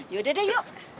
yaudah deh yuk